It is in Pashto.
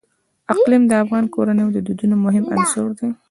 اقلیم د افغان کورنیو د دودونو مهم عنصر دی.